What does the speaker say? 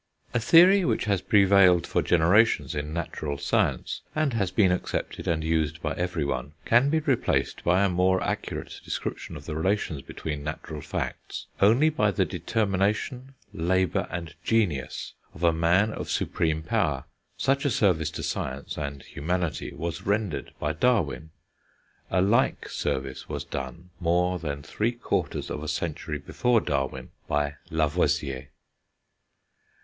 A theory which has prevailed for generations in natural science, and has been accepted and used by everyone, can be replaced by a more accurate description of the relations between natural facts, only by the determination, labour, and genius of a man of supreme power. Such a service to science, and humanity, was rendered by Darwin; a like service was done, more than three quarters of a century before Darwin, by Lavoisier.